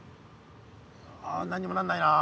あ何にもなんないな。